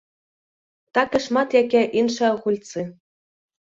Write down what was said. Так і шмат якія іншыя гульцы.